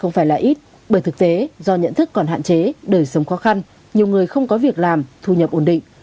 không phải là ít bởi thực tế do nhận thức còn hạn chế đời sống khó khăn nhiều người không có việc làm thu nhập ổn định